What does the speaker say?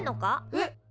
えっ？